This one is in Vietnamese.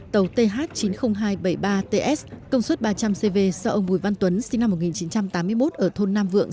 tàu th chín mươi nghìn hai trăm bảy mươi ba ts công suất ba trăm linh cv do ông bùi văn tuấn sinh năm một nghìn chín trăm tám mươi một ở thôn nam vượng